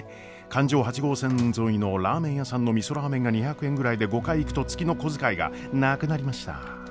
環状８号線沿いのラーメン屋さんのみそラーメンが２００円ぐらいで５回行くと月の小遣いがなくなりましたぁ。